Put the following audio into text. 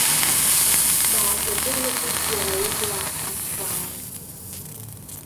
Дааӷьаҵәыӷьаҵәит иара аублаа бызшәала.